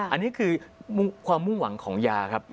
อันนี้คือความมุ่งหวังของยาครับ